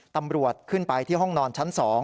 ตำรวจขึ้นไปที่ห้องนอนชั้น๒